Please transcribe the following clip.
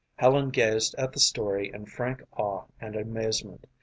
Helen gazed at the story in frank awe and amazement.